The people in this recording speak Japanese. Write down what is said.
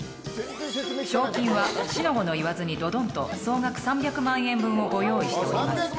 賞金は四の五の言わずにドドンと総額３００万円分をご用意しております。